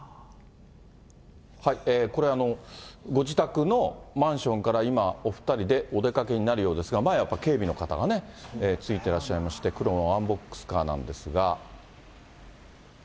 これ、ご自宅のマンションから今、お２人でお出かけになるようですが、前はやっぱり警備の方がついてらっしゃいまして、黒のワンボックスカーなんですが。